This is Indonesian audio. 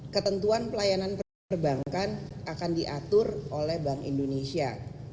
ketentuan pelayanan perbankan akan diatur oleh bank indonesia